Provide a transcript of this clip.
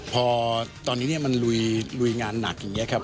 พอตอนนี้มันลุยงานหนักอย่างนี้ครับ